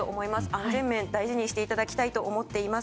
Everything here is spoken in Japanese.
安全面、大事にしていただきたいと思います。